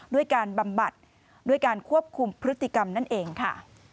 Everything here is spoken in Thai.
ด้วยการบำบัดด้วยการควบคุมพฤติกรรมนั่นเองค่ะ